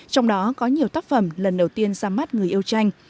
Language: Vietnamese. trong đó có nhiều tác phẩm lần đầu tiên ra mắt người yêu tranh